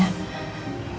jadi kamu sabar aja sayang ya